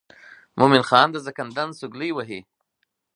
مومن خان د زکندن سګلې وهي.